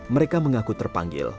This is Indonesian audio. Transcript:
mereka mengaku terpanggil